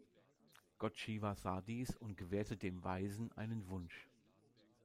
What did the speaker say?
Gott Shiva sah dies und gewährte dem Weisen einen Wunsch.